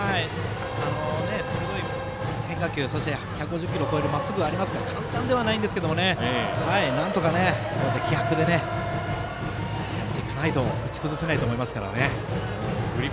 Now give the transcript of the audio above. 鋭い変化球そして１５０キロを超えるまっすぐがありますから簡単ではないんですがなんとか、気迫でやっていかないと打ち崩せないと思います。